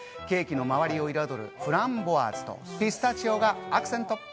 ケーキの周りを彩るフランボワーズ、ピスタチオがアクセント。